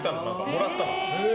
もらったの。